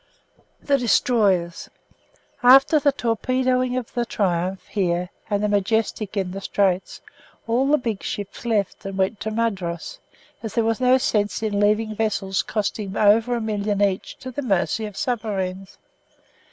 THE DESTROYERS After the torpedoing of the Triumph here, and the Majestic in the Straits all the big ships left and went to Mudros, as there was no sense in leaving vessels costing over a million each to the mercy of submarines.